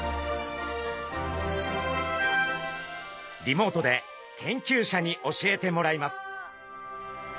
リモートで研究者に教えてもらいます。